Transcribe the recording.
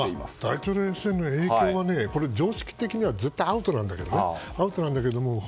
大統領選への影響は常識的には絶対アウトなんだけどね。